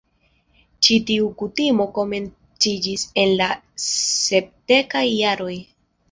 Ĉi-tiu kutimo komenciĝis en la sepdekaj jaroj.